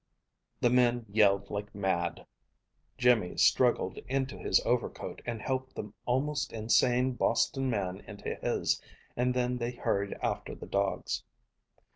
The men yelled like mad. Jimmy struggled into his overcoat, and helped the almost insane Boston man into his and then they hurried after the dogs.